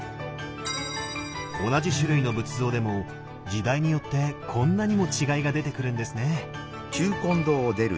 同じ種類の仏像でも時代によってこんなにも違いが出てくるんですね。